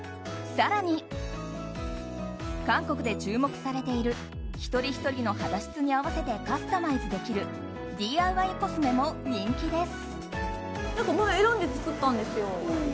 更に、韓国で注目されている一人ひとりの肌質に合わせてカスタマイズできるＤＩＹコスメも人気です。